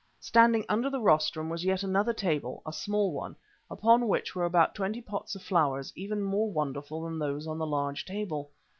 Standing under the rostrum was yet another table, a small one, upon which were about twenty pots of flowers, even more wonderful than those on the large table.